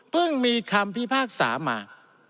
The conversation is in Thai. เพิ่งมีคำพิพากษามา